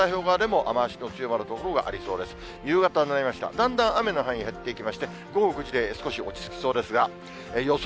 だんだん雨の範囲、減っていきまして、午後９時で少し落ち着きそうですが、予想